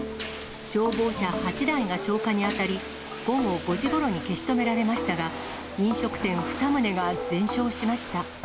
消防車８台が消火に当たり、午後５時ごろに消し止められましたが、飲食店２棟が全焼しました。